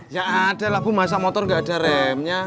ya ada lah bu masa motor gak ada remnya